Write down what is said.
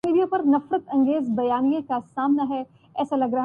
نہ ن لیگ‘ نہ پنجاب کا یہ مزاج ہے۔